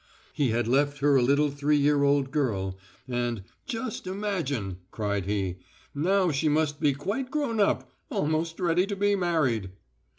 He had left her a little three year old girl, and "Just imagine!" cried he, "now she must be quite grown up, almost ready to be married."